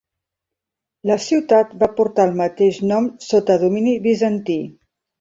La ciutat va portar el mateix nom sota domini bizantí.